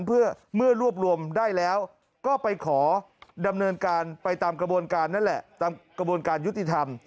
เพื่อเมื่อรวบรวมได้แล้วก็ไปขอดำเนินการไปตามกระบวนการนั่นแหละตามกระบวนการยุติธรรม